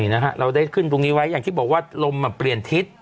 นะฮะเราได้ขึ้นตรงนี้ไว้อย่างที่บอกว่าลมเปลี่ยนทิศ